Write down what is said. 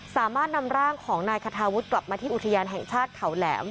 สามารถนำร่างของนายคาทาวุฒิกลับมาที่อุทยานแห่งชาติเขาแหลม